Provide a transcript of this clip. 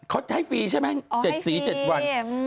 เขาให้ฟรีใช่ไหม๗สี๗วัน